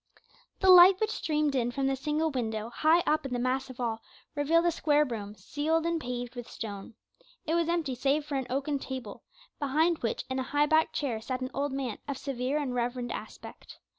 The light which streamed in from the single window high up in the massive wall revealed a square room, ceiled and paved with stone. It was empty save for an oaken table, behind which in a high backed chair sat an old man of severe and reverend aspect.